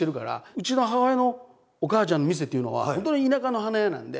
うちの母親のお母ちゃんの店っていうのは本当に田舎の花屋なんで。